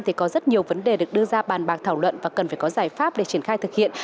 thì có rất nhiều vấn đề được đưa ra bàn bạc thảo luận và cần phải có giải pháp để triển khai thực hiện